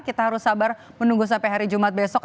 kita harus sabar menunggu sampai hari jumat besok